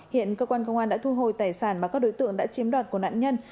hiện cơ quan công an đã thu hồi tài sản mà các đối tượng đã chiếm đoạt của nạn nhân